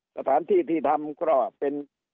สถานที่ที่ทำก็เป็น